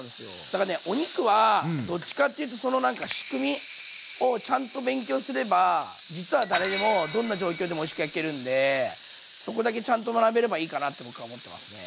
だからねお肉はどっちかっていうとそのなんか仕組みをちゃんと勉強すれば実は誰でもどんな状況でもおいしく焼けるんでそこだけちゃんと学べればいいかなって僕は思ってますね。